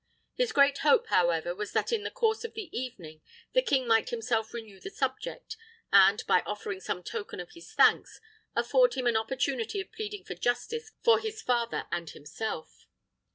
His great hope, however, was that in the course of the evening the king might himself renew the subject, and, by offering some token of his thanks, afford him an opportunity of pleading for justice for his father and himself.